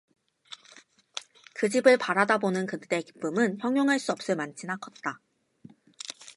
그 집을 바라다보는 그들의 기쁨은 형용 할수 없을 만치나 컸다.